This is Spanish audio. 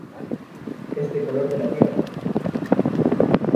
Es de color de la tierra.